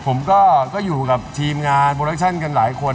ผมก็อยู่กับทีมงานโปรดักชั่นกันหลายคน